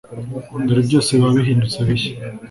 dore byose biba bihindutse bishya.